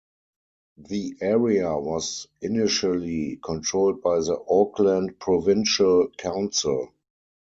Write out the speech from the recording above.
The area was initially controlled by the Auckland Provincial Council.